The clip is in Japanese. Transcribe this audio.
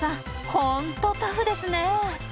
本当タフですねえ。